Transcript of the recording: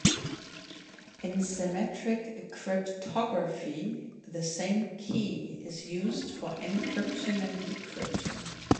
In symmetric cryptography the same key is used for encryption and decryption.